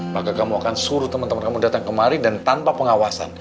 maka kamu akan suruh teman teman kamu datang kemari dan tanpa pengawasan